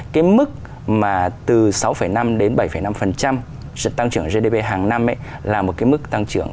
cái mức mà từ sáu năm đến bảy năm sự tăng trưởng gdp hàng năm là một cái mức tăng trưởng